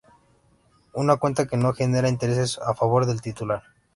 Una cuenta que no genera intereses a favor del titular.